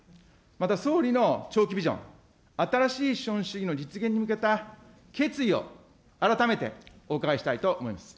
また総理の長期ビジョン、新しい資本主義の実現に向けた決意を改めてお伺いしたいと思います。